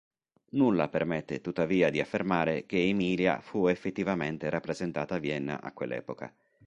Nulla permette tuttavia di affermare che "Emilia" fu effettivamente rappresentata a Vienna a quell'epoca.